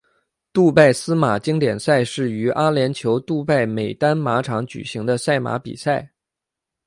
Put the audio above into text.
杜拜司马经典赛是于阿联酋杜拜美丹马场举行的赛马比赛。